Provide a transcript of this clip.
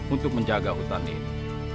untuk menjaga hutan ini